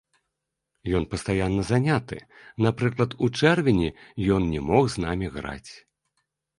Ён пастаянна заняты, напрыклад, у чэрвені ён не мог з намі граць.